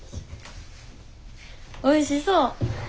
おいしそう。